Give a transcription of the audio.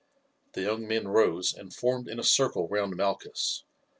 The young men rose and formed in a circle round Malchus.